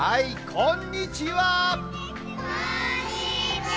こんにちは。